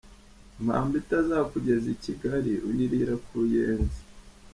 Impamba itazakugeza I Kigali uyirira ku Ruyenzi !